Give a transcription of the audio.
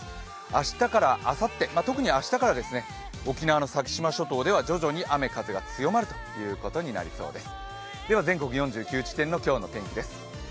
明日からあさって特に明日から沖縄の先島諸島では徐々に雨・風が強まることになりそうです。